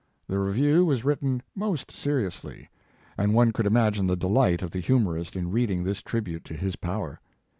The review was written most seriously, and one could imagine the delight of the humorist in reading this tribute to his power.